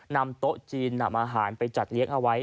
โต๊ะจีนนำอาหารไปจัดเลี้ยงเอาไว้